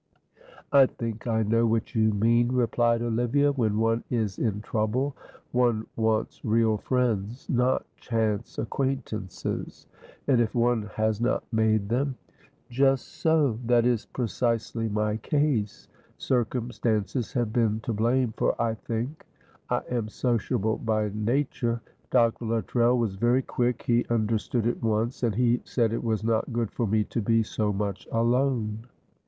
"I think I know what you mean," replied Olivia. "When one is in trouble, one wants real friends, not chance acquaintances, and if one has not made them " "Just so that is precisely my case. Circumstances have been to blame, for I think I am sociable by nature. Dr. Luttrell was very quick; he understood at once, and he said it was not good for me to be so much alone.